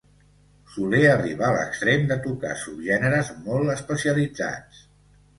Soler arriba a l'extrem de tocar subgèneres molt especialitzats.